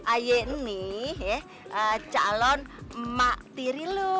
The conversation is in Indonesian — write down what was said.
ayah ini calon emak tiri lu